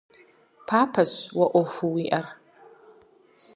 Папэщ уэ Ӏуэхуу уиӀэр.